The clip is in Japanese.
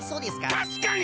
たしかに！